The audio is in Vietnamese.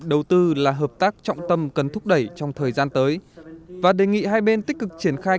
đầu tư là hợp tác trọng tâm cần thúc đẩy trong thời gian tới và đề nghị hai bên tích cực triển khai